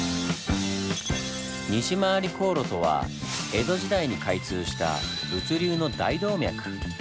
西廻り航路とは江戸時代に開通した物流の大動脈。